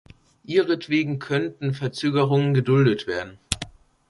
Ihretwegen könnten Verzögerungen geduldet werden.